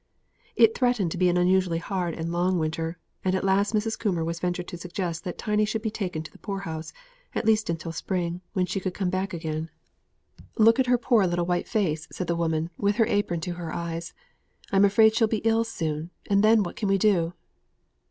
It threatened to be an unusually hard and long winter, and at last Mrs. Coomber ventured to suggest that Tiny should be taken to the poorhouse, at least until the spring, when she could come back again. "Look at her poor little white face," said the woman, with her apron to her eyes; "I'm afraid she'll be ill soon, and then what can we do?"